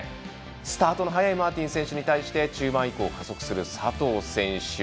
スタートの速いマーティン選手に対して中盤以降加速する佐藤選手。